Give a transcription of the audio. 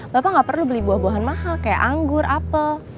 bapak nggak perlu beli buah buahan mahal kayak anggur apel